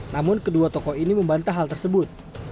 namun kedua tokoh ini membantah hal tersebut